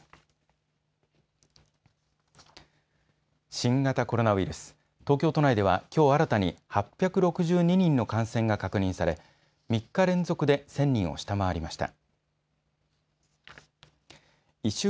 新型コロナウイルス、東京都内ではきょう新たに８６２人の感染が確認され３日連続で１０００人を下回りました。